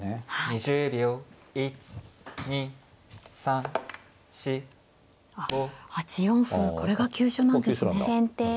あっ８四歩これが急所なんですね。